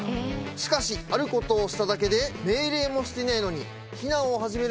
しかしあることをしただけで命令もしてないのに。